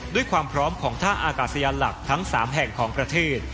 ด้วยความพร้อมของท่าอากาศยานหลักทั้ง๓แห่งของประเทศ